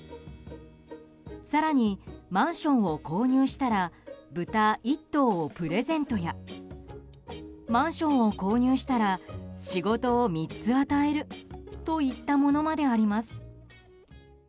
更にマンションを購入したら豚１頭をプレゼントやマンションを購入したら仕事を３つ与えるといったものまであります。